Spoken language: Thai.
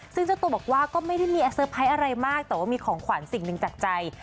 ซึ่งเจ้าตัวบอกว่าก็ไม่ได้มีเซอร์ไพรส์อะไรมากแต่ว่ามีของขวัญสิ่งหนึ่งจากใจ